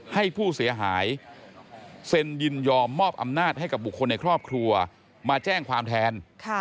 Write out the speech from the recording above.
ให้ผู้เสียหายเซ็นยินยอมมอบอำนาจให้กับบุคคลในครอบครัวมาแจ้งความแทน